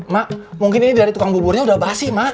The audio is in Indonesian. ma mungkin ini dari tukang buburnya udah basi ma